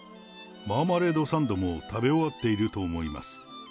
マーマレードサンドも食べ終わっていると思います。